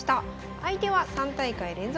相手は３大会連続